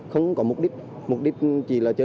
không có mục đích mục đích chỉ là chơi